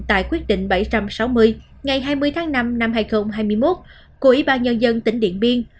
tại quyết định bảy trăm sáu mươi ngày hai mươi tháng năm năm hai nghìn hai mươi một của ủy ban nhân dân tỉnh điện biên